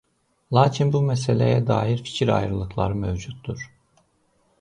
Lakin bu məsələyə dair fikir ayrılıqları mövcuddur.